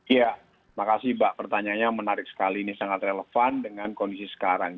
ya makasih mbak pertanyaannya menarik sekali ini sangat relevan dengan kondisi sekarang